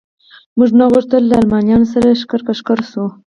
موږ نه غوښتل له المانیانو سره ښکر په ښکر شو.